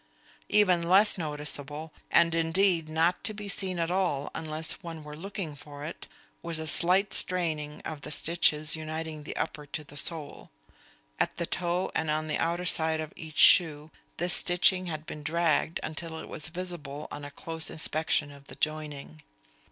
Even less noticeable, and indeed not to be seen at all unless one were looking for it, was a slight straining of the stitches uniting the upper to the sole. At the toe and on the outer side of each shoe this stitching had been dragged until it was visible on a close inspection of the joining.